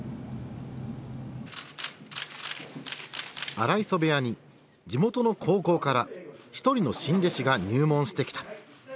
荒磯部屋に地元の高校から一人の新弟子が入門してきた。